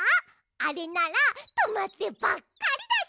あれならとまってばっかりだし。